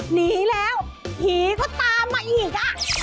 หนีแล้วผีก็ตามมาอีกอ่ะ